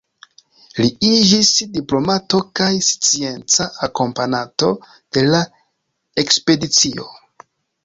Li iĝis diplomato kaj scienca akompananto de la ekspedicio.